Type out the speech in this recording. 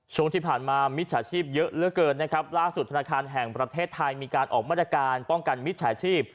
ช่วงที่ผ่านมามิจฉาชีพเยอะเหลือเกินนะครับล่าสุดธนาคารแห่งประเทศไทยมีการออกมาตรการป้องกันมิจฉาชีพ